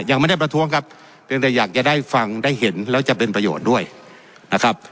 ยังไม่ได้ประท้วงครับเพียงแต่อยากจะได้ฟังได้เห็นแล้วจะเป็นประโยชน์ด้วยนะครับ